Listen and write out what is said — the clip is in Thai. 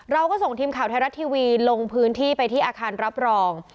เราก็ส่งทีมข่าวไทยรัฐทีวีลงพื้นที่ไปที่อาคารรับรอง